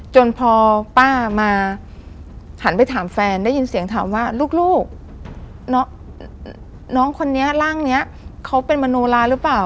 จนพอป้ามาหันไปถามแฟนได้ยินเสียงถามว่าลูกน้องคนนี้ร่างนี้เขาเป็นมโนลาหรือเปล่า